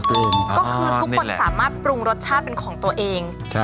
ก็คือทุกคนสามารถปรุงรสชาติเป็นของตัวเอง